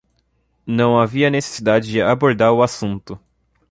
Não havia necessidade de abordar o assunto.